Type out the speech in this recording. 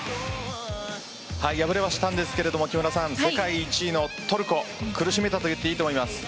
敗れはしたんですが世界１位のトルコを苦しめたと言ってもいいと思います。